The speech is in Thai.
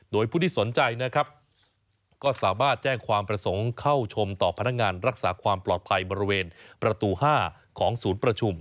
โดยผู้ที่สนใจนะครับก็สามารถแจ้งความประสงค์เข้าชมต่อพนักงานรักษาความปลอดภัยบริเวณประตู๕ของศูนย์ประชุม